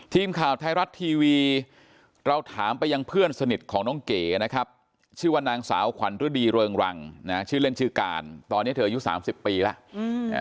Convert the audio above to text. ทีมข่าวไทยรัฐทีวีเราถามไปยังเพื่อนสนิทของน้องเก๋นะครับชื่อว่านางสาวขวัญฤดีเริงรังนะชื่อเล่นชื่อการตอนนี้เธออายุ๓๐ปีแล้ว